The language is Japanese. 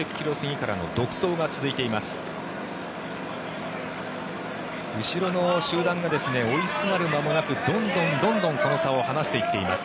後ろの集団が追いすがる間もなくどんどん、どんどんその差を離していっています。